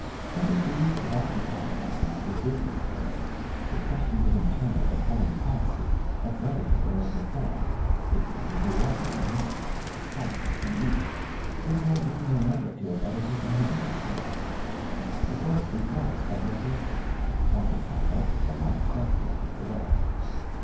What was the use of occupy ing oneself with business affairs, with questions of internal or foreign policy, of revenue or of reform, if the THE OBSERVATORY ON GAURISANKAR. 12 OMEGA. end of the world was at hand ? Politics, indeed ! Did one even remember to have ever taken any interest in them ? The courts themselves had no cases ; one does not murder when one expects the end of the world.